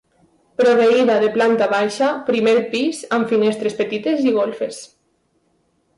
Proveïda de planta baixa, primer pis amb finestres petites i golfes.